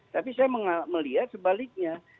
tapi saya melihat sebaliknya